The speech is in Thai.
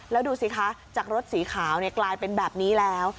แล้วดูสิคะจากรถสีขาวกลายเป็นแบบนี้แล้ว